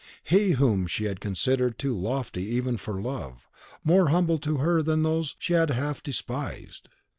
He whom she had considered too lofty even for love, more humble to her than those she had half despised!